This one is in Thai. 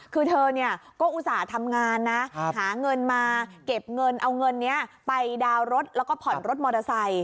คือเธอก็อุตส่าห์ทำงานนะหาเงินมาเก็บเงินเอาเงินนี้ไปดาวน์รถแล้วก็ผ่อนรถมอเตอร์ไซค